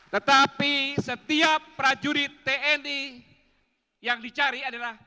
tetapi setiap prajurit tni yang dicari adalah